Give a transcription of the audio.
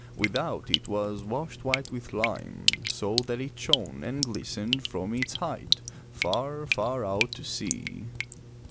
Without, it was washed white with lime, so that it shone and glistened from its height far, far out to sea.